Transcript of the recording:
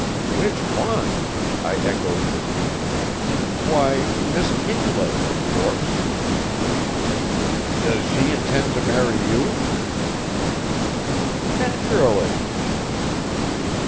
"Which one?" I echoed with heat, "why, Miss Kinglake, of course." "Does she intend to marry you?" "Naturally."